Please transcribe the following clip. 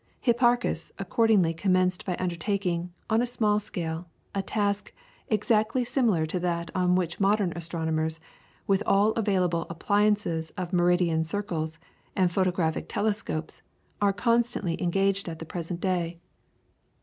Hipparchus accordingly commenced by undertaking, on a small scale, a task exactly similar to that on which modern astronomers, with all available appliances of meridian circles, and photographic telescopes, are constantly engaged at the present day.